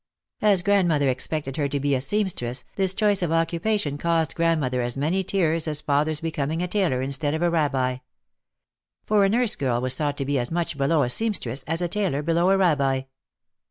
As grandmother expected her to be a seamstress, this choice of occupation caused grandmother as many tears as father's becoming a tailor instead of a rabbi. For a nurse girl was thought to be as much below a seamstress as a tailor below a rabbi.